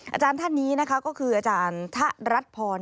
อาจารย์ท่านนี้นะคะก็คืออาจารย์ทะรัฐพร